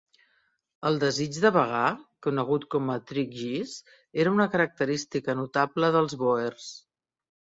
El desig de vagar, conegut com a "trekgees", era una característica notable dels Boers.